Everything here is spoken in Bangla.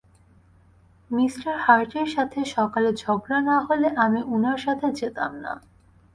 মিস্টার হার্টের সাথে সকালে ঝগড়া না হলে আমি উনার সাথে যেতাম না।